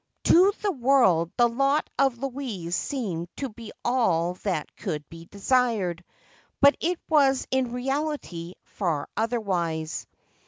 To the world the lot of Louise seemed to be all that could be desired, but it was in reality far otherwise.